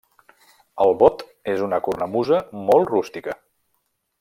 El bot és una cornamusa molt rústica.